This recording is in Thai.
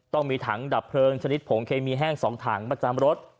ต้องมีถังดับเพลิงชนิดผงเคมีแห้ง๒ถังประจำรถ